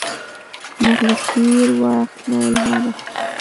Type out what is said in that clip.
موږ له تېر وخت نه الهام اخلو.